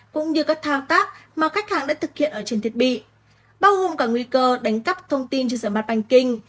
cũng như các thao tác mà khách hàng đã thực hiện ở trên thiết bị bao gồm cả nguy cơ đánh cắp thông tin trên sở mặt bành kinh